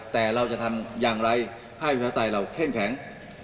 แต่เราจะทำอย่างไรให้ประชาธิปไตยเราเข้มแข็ง